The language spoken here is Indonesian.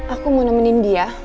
aku mau nemenin dia